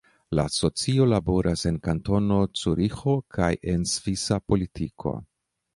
La asocio laboras en Kantono Zuriĥo kaj en svisa politiko.